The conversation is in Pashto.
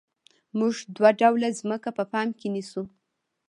موږ دوه ډوله ځمکه په پام کې نیسو